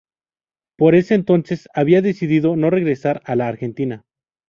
Por ese entonces había decidido no regresar a la Argentina.